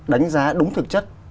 đánh giá đúng thực chất